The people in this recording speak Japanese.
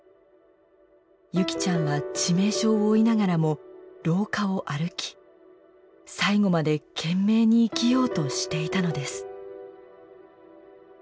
優希ちゃんは致命傷を負いながらも廊下を歩き最後まで懸命に生きようとしていたのです。